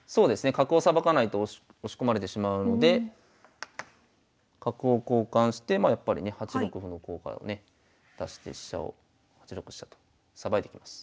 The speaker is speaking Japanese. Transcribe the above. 角をさばかないと押し込まれてしまうので角を交換してまあやっぱりね８六歩の効果をね出して飛車を８六飛車とさばいてきます。